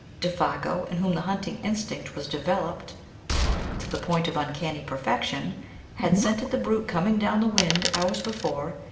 Défago, in whom the hunting instinct was developed to the point of uncanny perfection, had scented the brute coming down the wind hours before.